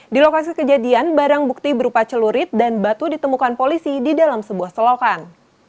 di lokasi kejadian barang bukti berupa celurit dan batu ditemukan polisi di dalam sebuah selokan